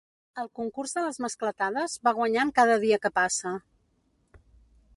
El concurs de les mascletades va guanyant cada dia que passa.